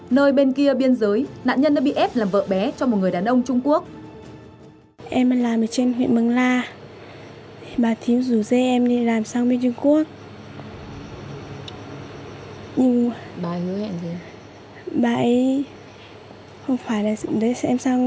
nơi bên kia biên giới nạn nhân đã bị ép làm vợ bé cho một người đàn ông trung quốc